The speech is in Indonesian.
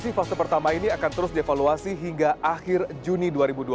vaksinasi fase pertama ini akan terus dievaluasi hingga akhir juni dua ribu dua puluh